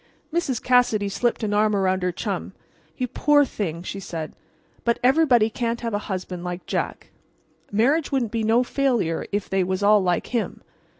Mrs. Cassidy slipped an arm around her chum. "You poor thing!" she said. "But everybody can't have a husband like Jack. Marriage wouldn't be no failure if they was all like him.